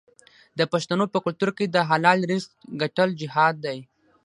د پښتنو په کلتور کې د حلال رزق ګټل جهاد دی.